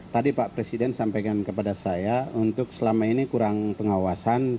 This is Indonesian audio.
tadi pak presiden sampaikan kepada saya untuk selama ini kurang pengawasan